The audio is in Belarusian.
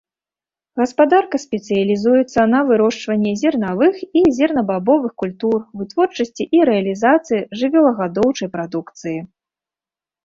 Гаспадарка спецыялізуецца на вырошчванні зерневых і зернебабовых культур, вытворчасці і рэалізацыі жывёлагадоўчай прадукцыі.